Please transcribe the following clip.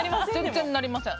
全然なりません。